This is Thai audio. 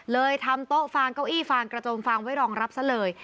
เลยทำโต๊ะฟางเก้าอี้ฟางกระโจมฟางไว้รองรับซะเลย